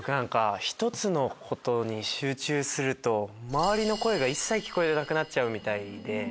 １つのことに集中すると周りの声が一切聞こえなくなっちゃうみたいで。